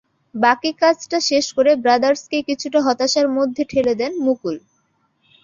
বাকি কাজটা শেষ করে ব্রাদার্সকে কিছুটা হতাশার মধ্যে ঠেলে দেন মুকুল।